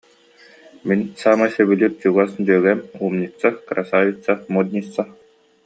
Мин саамай сөбүлүүр, чугас дьүөгэм, умница, красавица, модница